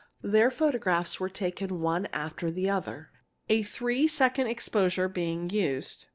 Their photographs were taken one after the other, a three seconds exposure being used.